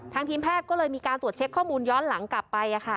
ทีมแพทย์ก็เลยมีการตรวจเช็คข้อมูลย้อนหลังกลับไป